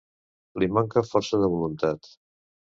Li manca força de voluntat.